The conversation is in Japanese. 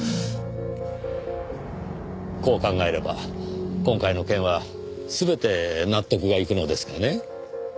こう考えれば今回の件は全て納得がいくのですがね。